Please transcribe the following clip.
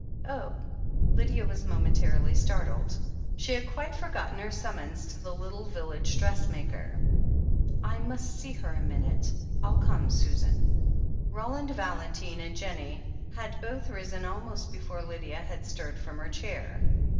"Oh!" Lydia was momentarily startled. She had quite forgotten her summons to the little village dress maker. "I must see her a minute — I'll come, Susan." Roland Valentine and Jennie had both risen almost before Lydia had stirred from her chair.